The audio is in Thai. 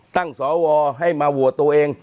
ตั้งสอวให้มาโหวตตัวเอง